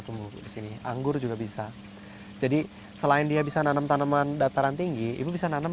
tumbuh di sini anggur juga bisa jadi selain dia bisa nanam tanaman dataran tinggi ibu bisa nanam